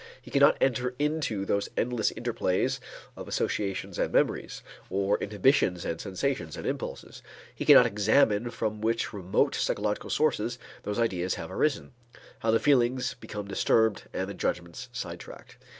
He cannot enter into those endless interplays of associations and memories, or inhibitions and sensations and impulses, he cannot examine from which remote psychological sources those ideas have arisen, how the feelings become disturbed and the judgments sidetracked.